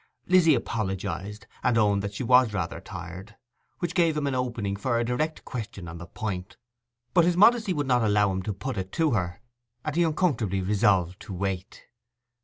Lizzy apologized, and owned that she was rather tired, which gave him an opening for a direct question on the point; but his modesty would not allow him to put it to her; and he uncomfortably resolved to wait.